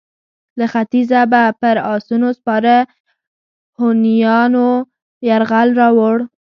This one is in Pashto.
له ختیځه به پر اسونو سپاره هونیانو یرغل راووړ.